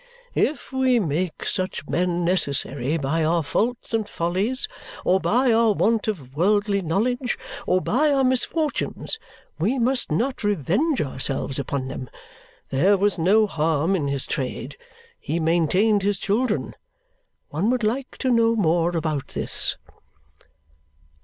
"If we make such men necessary by our faults and follies, or by our want of worldly knowledge, or by our misfortunes, we must not revenge ourselves upon them. There was no harm in his trade. He maintained his children. One would like to know more about this."